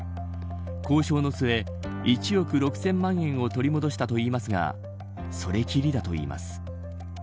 交渉の末、１億６０００万円を取り戻したといいますが、それきりだといいます。